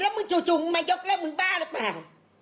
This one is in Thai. มึงจู่มึงมายกเลิกมึงบ้าหรือเปล่า